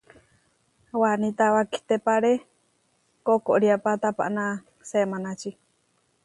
Waníta wakitépare koʼkoriápa tapaná semánači.